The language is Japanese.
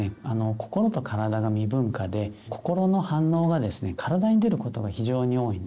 心と体が未分化で心の反応がですね体に出ることが非常に多いんですね。